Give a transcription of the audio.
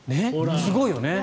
すごいよね。